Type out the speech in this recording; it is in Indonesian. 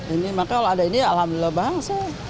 ini makanya kalau ada ini ya alhamdulillah bangsa